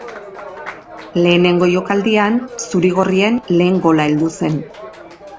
Lehenengo jokaldian zuri-gorrien lehen gola heldu zen.